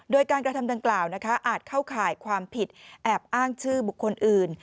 โดยการกระทำดังกล่าวอาจเข้าข่ายความผิดแอบอ้างชื่อบุคคลอื่น